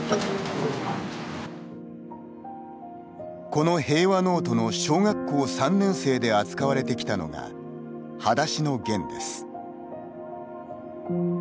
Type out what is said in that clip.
この平和ノートの小学校３年生で扱われてきたのが「はだしのゲン」です。